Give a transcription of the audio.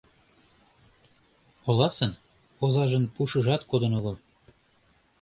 Оласын, озажын пушыжат кодын огыл.